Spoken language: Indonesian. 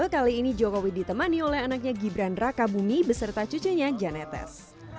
kali ini jokowi ditemani oleh anaknya gibran raka bumi beserta cucunya janetes